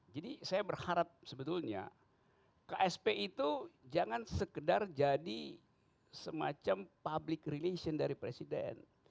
jadi saya berharap sebetulnya ksp itu jangan sekedar jadi semacam public relation dari presiden